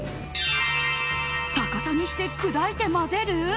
逆さにして砕いて混ぜる？！